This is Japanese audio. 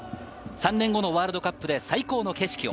３年後のワールドカップで最高の景色を。